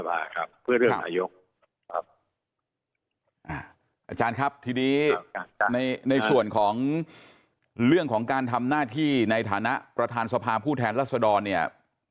อาจารย์ครับทีนี้ในในส่วนของเรื่องของการทำหน้าที่ในฐานะประธานสภาผู้แทนรัศดรเนี่ย